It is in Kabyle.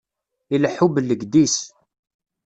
Ileḥḥu bellegdis.